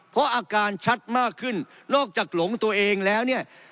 เพราะอาการชัดมากขึ้นนอกจากหลงตัวเองแล้วเนี่ย